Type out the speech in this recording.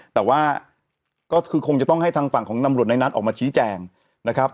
แต่ว่าก็คือคงจะต้องให้ทางฝั่งของตำรวจในนั้นออกมาชี้แจงนะครับ